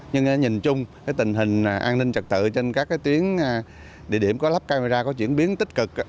nhưng nhìn chung tình hình an ninh trật tự trên các tuyến địa điểm có lắp camera có chuyển biến tích cực